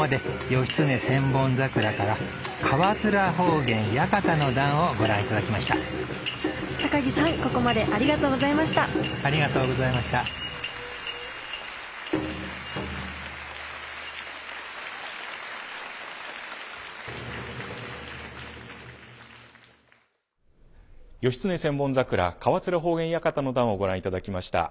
「義経千本桜河連法眼館の段」をご覧いただきました。